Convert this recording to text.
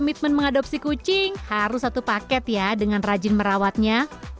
komitmen mengadopsi kucing harus satu paket ya dengan rajin merawatnya